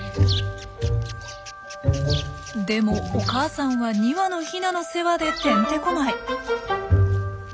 でもお母さんは２羽のヒナの世話でてんてこまい。